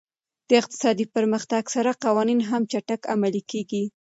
د اقتصادي پرمختګ سره قوانین هم چټک عملي کېږي.